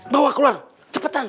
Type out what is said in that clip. bawa keluar cepetan